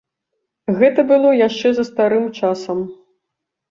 Гэта было яшчэ за старым часам.